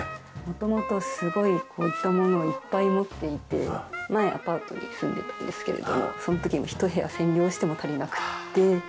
元々すごいこういったものをいっぱい持っていて前アパートに住んでいたんですけれどもその時も一部屋占領しても足りなくて。